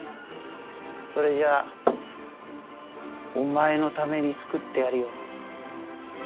それじゃあお前のために作ってやるよ。